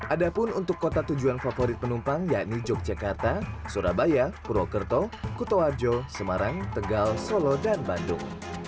ada pun untuk kota tujuan favorit penumpang yakni yogyakarta surabaya purwokerto kutoarjo semarang tegal solo dan bandung